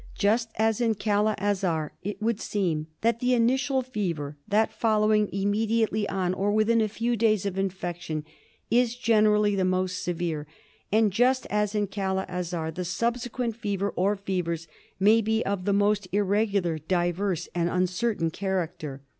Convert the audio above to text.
Just as in Kala Azar, it would seem that the initial fever, that following immediately on or within a few days of infection, is generally the most severe ; and, just as in Kala Azar, the subsequent fever or fevers may be of the most irregular, diverse, and uncertain character.